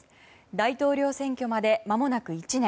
大統領選挙までまもなく１年。